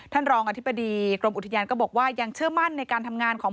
รองอธิบดีกรมอุทยานก็บอกว่ายังเชื่อมั่นในการทำงานของ